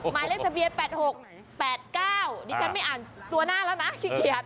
หมายเลขทะเบียน๘๖๘๙ดิฉันไม่อ่านตัวหน้าแล้วนะขี้เกียจ